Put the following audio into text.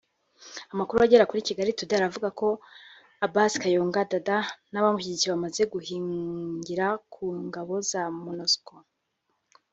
Amakuru agera kuri Kigali Today aravuga ko Abbas Kayonga (Dada) n’abamushyigikiye bamaze guhungira ku ngabo za Monusco